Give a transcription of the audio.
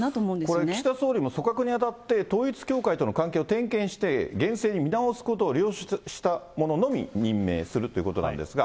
これ岸田総理も組閣にあたって、統一教会との関係を点検して、厳正に見直すことを了承した者のみ任命するということなんですが。